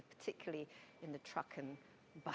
terutama di pasar kereta dan bus